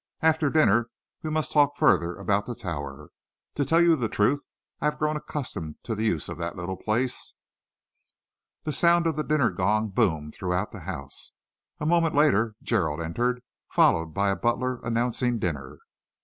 After dinner we must talk further about the Tower. To tell you the truth, I have grown accustomed to the use of the little place." The sound of the dinner gong boomed through the house. A moment later Gerald entered, followed by a butler announcing dinner.